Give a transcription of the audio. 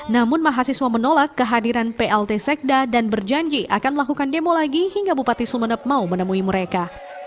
namun mahasiswa menolak kehadiran plt sekda dan berjanji akan melakukan demo lagi hingga bupati sumeneb mau menemui mereka